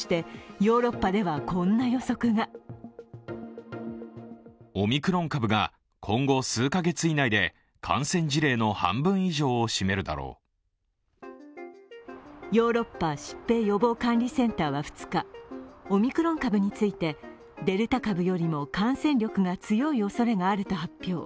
ヨーロッパ疾病予防管理センターは２日、オミクロン株について、デルタ株よりも感染力が強いおそれがあると発表。